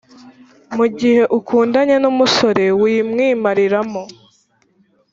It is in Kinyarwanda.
mu gihe ukundanye n’umusore wimwimarira mo,